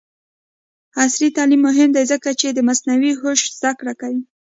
عصري تعلیم مهم دی ځکه چې د مصنوعي هوش زدکړه کوي.